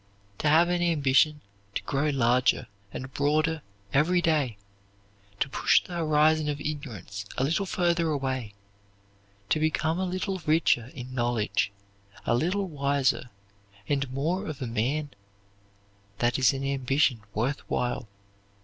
To have an ambition to grow larger and broader every day, to push the horizon of ignorance a little further away, to become a little richer in knowledge, a little wiser, and more of a man that is an ambition worth while.